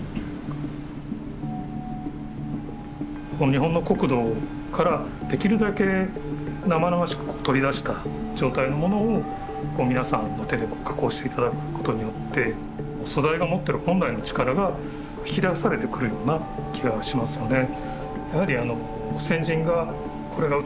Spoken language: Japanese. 日本の国土からできるだけ生々しく取り出した状態のものを皆さんの手で加工して頂くことによって素材が持ってる本来の力が引き出されてくるような気がしますよね。